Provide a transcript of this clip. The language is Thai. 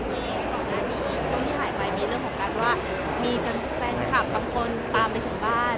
มีหลายมีเรื่องของการว่ามีแฟนคลับบางคนตามไปถึงบ้าน